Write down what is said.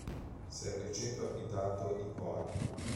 Serve il centro abitato di Ploaghe.